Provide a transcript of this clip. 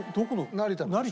成田の。